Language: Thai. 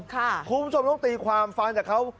คุณผู้ชมต้องตีความฟังจากเขา